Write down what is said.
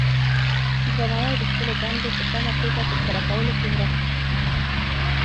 درناوی د خپلو دندو په سمه توګه ترسره کولو کې مرسته کوي.